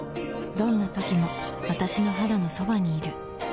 どんな時も私の肌のそばにいる